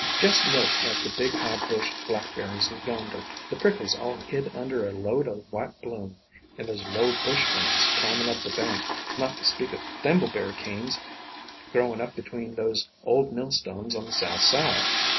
Jest look at the big High bush Blackberries yonder, the prickles all hid under a load o' white bloom, and these Low bush ones climbin' up the bank, not to speak o' Thimble berry canes growin' up between those old millstones on the south side.